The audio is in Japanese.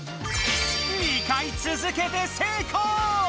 ２回続けて成功！